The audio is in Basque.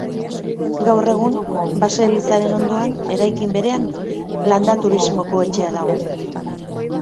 Gaur egun, baselizaren ondoan, eraikin berean, landa-turismoko etxea dago.